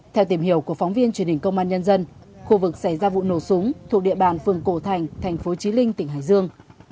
theo tìm hiểu của phóng viên truyền hình công an nhân dân khu vực xảy ra vụ nổ súng thuộc địa bàn phường cổ thành thành phố trí linh tỉnh hải dương